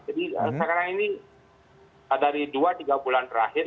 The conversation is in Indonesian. jadi sekarang ini dari dua tiga bulan terakhir